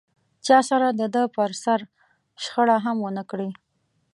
چا سره دده پر سر شخړه هم و نه کړي.